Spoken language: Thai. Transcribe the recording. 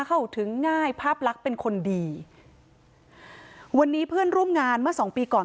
เข้าถึงง่ายภาพลักษณ์เป็นคนดีวันนี้เพื่อนร่วมงานเมื่อสองปีก่อน